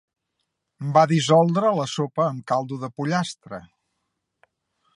Va dissoldre la sopa amb caldo de pollastre.